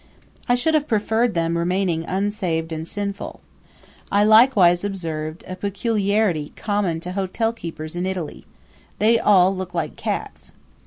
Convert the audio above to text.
I should have preferred them remaining unsaved and sinful. I likewise observed a peculiarity common to hotelkeepers in Italy they all look like cats.